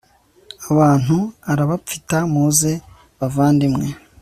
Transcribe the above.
abantu arabapfita, muze bavandimwe